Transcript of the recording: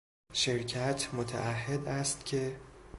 شرکت متعهد است که...